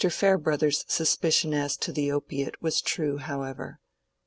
Farebrother's suspicion as to the opiate was true, however.